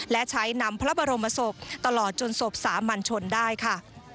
และใช้นำพระบรมศพตลอดจนศพสามัญชนได้ค่ะ